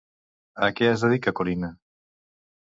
A què es dedica Corinna?